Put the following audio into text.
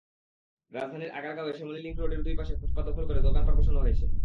রাজধানীর আগারগাঁওয়ের শ্যামলী লিংক রোডের দুই পাশের ফুটপাত দখল করে দোকানপাট বসানো হয়েছে।